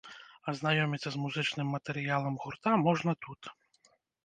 Азнаёміцца з музычным матэрыялам гурта можна тут.